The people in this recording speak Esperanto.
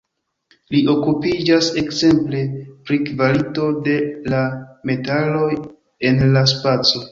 Li okupiĝas ekzemple pri kvalito de la metaloj en la spaco.